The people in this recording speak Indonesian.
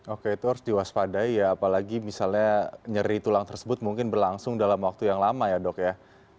oke itu harus diwaspadai ya apalagi misalnya nyeri tulang tersebut mungkin berlangsung dalam waktu yang lama ya dok ya